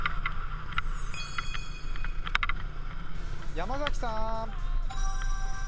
山崎さーん。